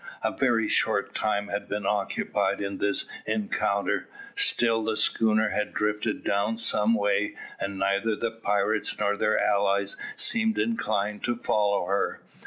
A very short time had been occupied in this encounter; still the schooner had drifted down some way, and neither the pirates nor their allies seemed inclined to follow her.